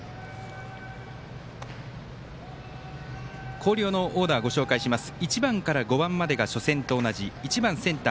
広陵のオーダーご紹介します。